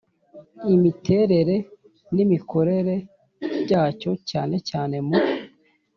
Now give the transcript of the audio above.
imiterere n Imikorere byacyo cyane cyane mu